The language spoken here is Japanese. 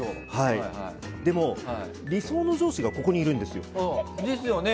でも、理想の上司がここにいるんですよ。ですよね。